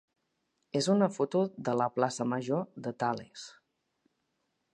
és una foto de la plaça major de Tales.